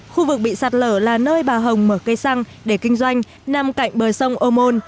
khu vực bị sạt lở là nơi bà hồng mở cây xăng để kinh doanh nằm cạnh bờ sông ô môn